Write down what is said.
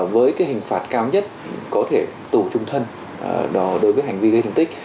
với hình phạt cao nhất có thể tù chung thân đối với hành vi gây thương tích